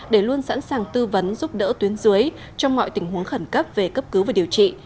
để luôn sẵn sàng tư vấn giúp đỡ tuyến dưới trong mọi tình huống khẩn cấp về cấp cứu và điều trị